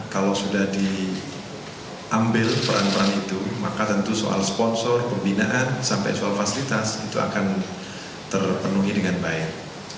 kalau sudah diambil peran peran itu maka tentu soal sponsor pembinaan sampai soal fasilitas itu akan terpenuhi dengan baik